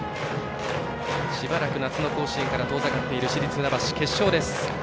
しばらく夏の甲子園から遠ざかっている市立船橋、決勝です。